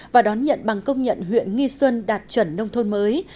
và đón nhận bằng công nhận huyện nghi xuân đạt chuẩn nông thôn mới